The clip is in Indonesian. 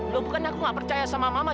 loh bukan aku nggak percaya sama mama